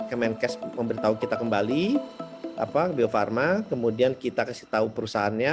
kemenkes memberitahu kita kembali bio farma kemudian kita kasih tahu perusahaannya